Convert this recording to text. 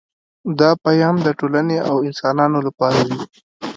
دا پیام د ټولنې او انسانانو لپاره وي